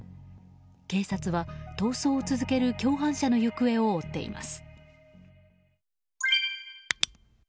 警察は逃走を続ける共犯者の行方を追っています。